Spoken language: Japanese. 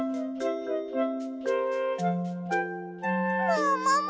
ももも！